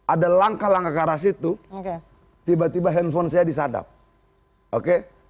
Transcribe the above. ada langkah langkah ke arah situ tiba tiba handphone saya disadap oke